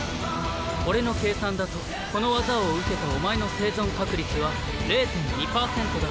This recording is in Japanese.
俺の計算だとこの技を受けたお前の生存確率は０．２％だ。